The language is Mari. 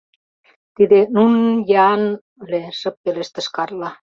— Тиде Нунн-Яан ыле, — шып пелештыш Карла.